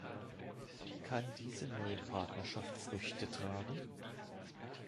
Kann diese neue Partnerschaft Früchte tragen?